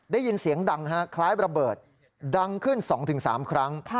ได้ยินเสียงดังคล้ายระเบิดดังขึ้น๒๓ครั้ง